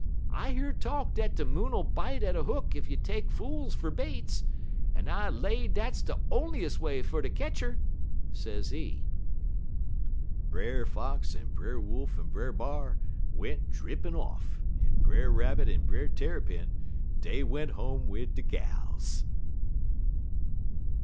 'I hear talk dat de Moon'll bite at a hook ef you take fools fer baits, en I lay dat's de onliest way fer ter ketch 'er,' sezee. "Brer Fox en Brer Wolf en Brer B'ar went drippin' off, en Brer Rabbit en Brer Tarrypin, dey went home wid de gals."